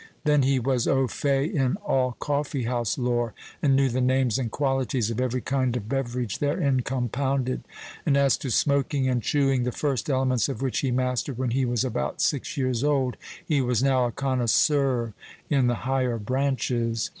Then he was au fait in all coffee house lore, and knew the names and qualities of every kind of beverage therein compounded; and as to smoking and chewing, the first elements of which he mastered when he was about six years old, he was now a connoisseur in the higher branches.